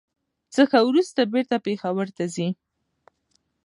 څخه ورورسته بېرته پېښور ته ځي.